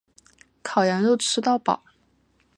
烤羊肉吃到饱